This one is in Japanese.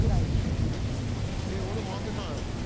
「えっ俺も当てたい！」